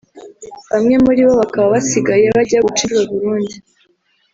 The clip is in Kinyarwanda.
bamwe mu ribo bakaba basigaye bajya guca incuro i Burundi